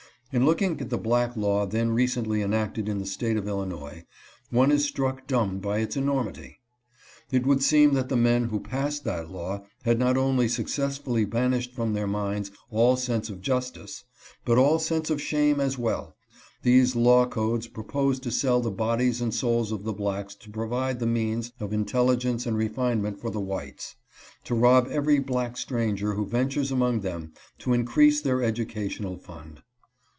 In looking at the black law then recently enacted in the State of Illinois one is struck dumb by its enormity. It would seem that the men who passed that law had not only successfully banished from their minds all sense of justice, but all sense of shame as well ; these law codes propose to sell the bodies and souls of the blacks to provide the means of intelligence and refinement for the whites ; to rob every black stranger who ventures among them to increase their educational fund.